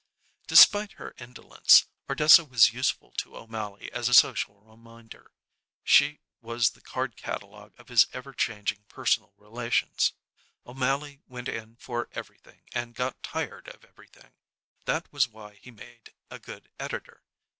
Despite her indolence, Ardessa was useful to O'Mally as a social reminder. She was the card catalogue of his ever changing personal relations. O'Mally went in for everything and got tired of everything; that was why he made a good editor.